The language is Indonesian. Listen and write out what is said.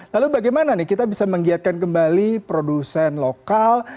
lalu bagaimana nih kita bisa menggiatkan kembali produsen lokal